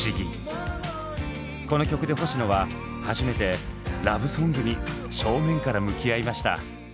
この曲で星野は初めてラブソングに正面から向き合いました。